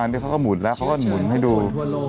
นี่เขาก็หมุนแล้วเขาก็หมุนให้ดู